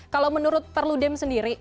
kalau menurut perludem sendiri